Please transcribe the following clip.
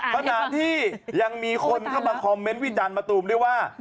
ขณะที่ยังมีคนเข้ามาคอมเมนต์วิจารณมะตูมด้วยว่า